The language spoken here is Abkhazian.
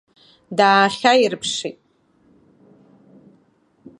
Даахьаирԥшит.